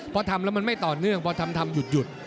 เพราะทำแล้วมันไม่ต่อเนื่องเพราะทำหยุด